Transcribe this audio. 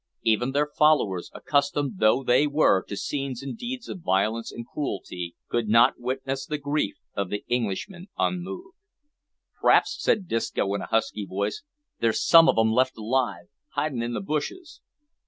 Even their followers, accustomed though they were, to scenes and deeds of violence and cruelty, could not witness the grief of the Englishmen unmoved. "P'raps," said Disco, in a husky voice, "there's some of 'em left alive, hidin' in the bushes."